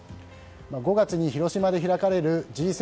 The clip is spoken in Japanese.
５月に広島で開かれるＧ７